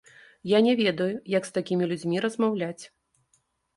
Я не ведаю, як з такімі людзьмі размаўляць.